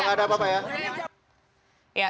udah nggak ada apa apa ya